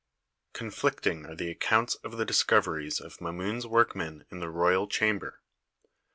Conflicting are the accounts of the discoveries of Mamun's workmen in the royal chamber.